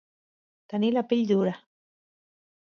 Tenir la pell dura.